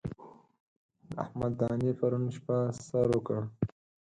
د احمد دانې پرون شپه سر وکړ.